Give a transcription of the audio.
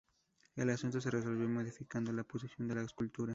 El asunto se resolvió modificando la posición de la escultura.